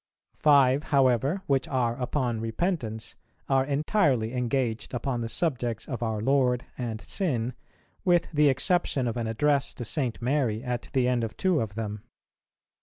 Five, however, which are upon Repentance, are entirely engaged upon the subjects of our Lord and sin, with the exception of an address to St. Mary at the end of two of them.